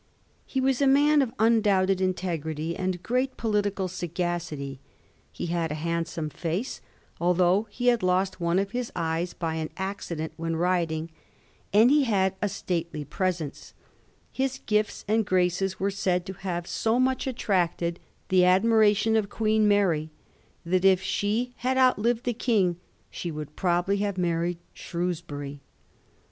He was a man of undoubted integrity and great political sagacity ; he had a handsome face, although he had lost one of his eyes by an accident when riding, and he had a stately presence. His gifts and graces were said to have so much attracted the Digiti zed by Google 1714 DUKES EX MACHINl. 55 admiration of Queen Mary, that if she had outlived the king she would probably have married Shrews bury.